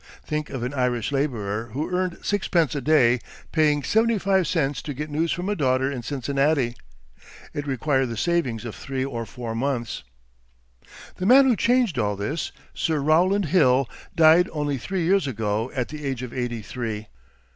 Think of an Irish laborer who earned sixpence a day paying seventy five cents to get news from a daughter in Cincinnati! It required the savings of three or four months. The man who changed all this, Sir Rowland Hill, died only three years ago at the age of eighty three.